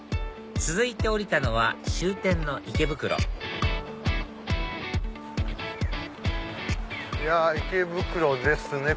続いて降りたのは終点の池袋いや池袋ですね